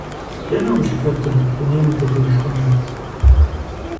Дэнэ ущыхэтыр, дунейм утетыжкъыми.